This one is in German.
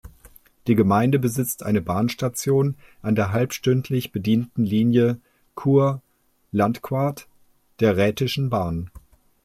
Die Gemeinde besitzt eine Bahnstation an der halbstündlich bedienten Linie Chur–Landquart der Rhätischen Bahn.